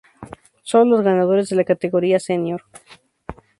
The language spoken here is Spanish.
Solo los ganadores de la categoría "senior".